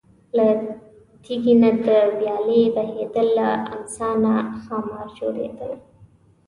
له تیږې نه د ویالې بهیدل، له امسا نه ښامار جوړېدل.